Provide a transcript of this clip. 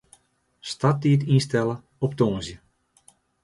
Starttiid ynstelle op tongersdei.